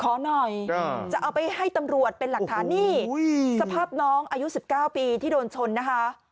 ขอหน่อยจะเอาไปให้ตำรวจเป็นหลักฐานี่โอ้โหสภาพน้องอายุสิบเก้าปีที่โดนชนนะคะ